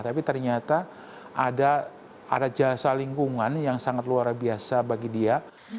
tapi ternyata ada jasa lingkungan yang sangat luar biasa bagi dia